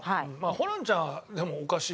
ホランちゃんはでもおかしいよ。